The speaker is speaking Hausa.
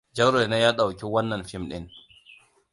Jauro ne ya ɗauki wannan fim ɗin.